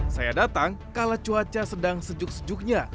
saya datang kalau cuaca sedang sejuk sejuknya